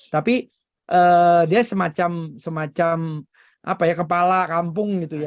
tapi dia semacam semacam kepala kampung gitu ya